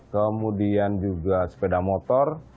kemudian juga sepeda motor